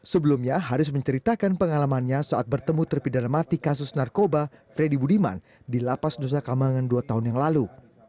sebelumnya haris menceritakan pengalamannya saat bertemu terpidana mati kasus narkoba freddy budiman di lapas nusa kambangan dua tahun yang lalu